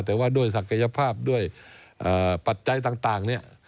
แต่ว่าด้วยศักยภาพด้วยปัจจัยต่างเนี่ย